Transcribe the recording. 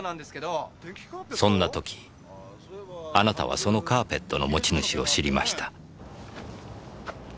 そんなときあなたはカーペットの持ち主を知りました。